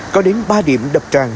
có đến ba điểm đập tràn